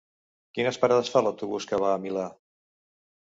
Quines parades fa l'autobús que va al Milà?